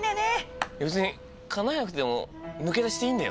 別にかなえなくても抜け出していいんだよ？